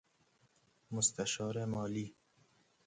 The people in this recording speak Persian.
مستشارمالی